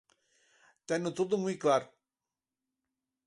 Teno todo moi claro.